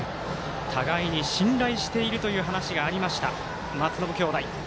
互いに信頼しているという話があった松延兄弟。